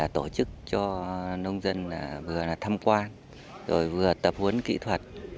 tổ chức cho nông dân vừa thăm quan vừa tập huấn kỹ thuật